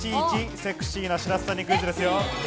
いちセクシーな白洲さんにクイズです。